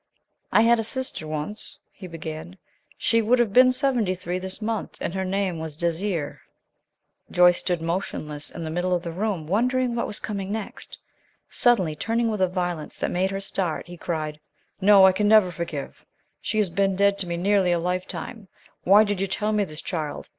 "I had a sister once," he began. "She would have been seventy three this month, and her name was Désiré." Joyce stood motionless in the middle of the room, wondering what was coming next. Suddenly turning with a violence that made her start, he cried, "No, I never can forgive! She has been dead to me nearly a lifetime. Why did you tell me this, child?